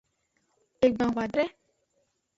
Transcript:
Egban hoadre.